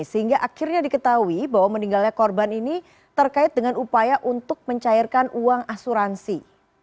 sehingga akhirnya diketahui bahwa meninggalnya korban ini terkait dengan upaya untuk mencairkan uang asuransi